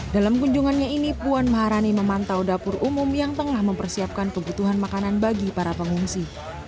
dalam kunjungannya ini puan maharani memantau dapur umum yang tengah mempersiapkan kebutuhan makanan bagi para pengungsi